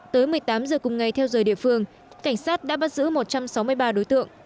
tới một mươi tám giờ cùng ngày theo giờ địa phương cảnh sát đã bắt giữ một trăm sáu mươi ba đối tượng